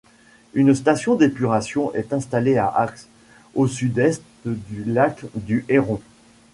Une station d'épuration est installée à Ascq, au sud-est du lac du Héron.